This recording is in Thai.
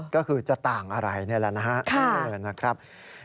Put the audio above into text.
ก็คือจะต่างอะไรนี่แหละนะครับ